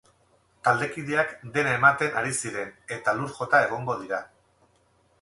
Taldekideak dena ematen ari ziren eta lur jota egongo dira.